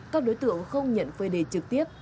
các đối tượng không nhận phê đề trực tiếp